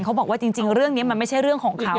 เขาบอกว่าจริงเรื่องนี้มันไม่ใช่เรื่องของเขา